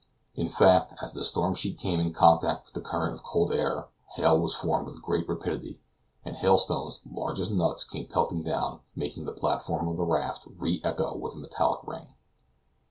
In fact, as the storm sheet came in contact with a current of cold air, hail was formed with great rapidity, and hailstones, large as nuts, came pelting down, making the platform of the raft re echo with a metallic ring.